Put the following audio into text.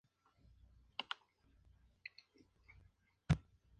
Sus usuarios son la Policía Nacional y la Guardia Civil.